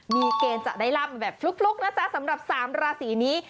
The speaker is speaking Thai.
มีเกณฑ์จะได้ล่ำแบบพลุกนะจ๊ะสำหรับ๓ราศีนี้